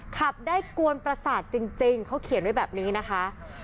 ขับได้กวนประสาทจริงเขาเขียนไว้แบบนี้นะคะ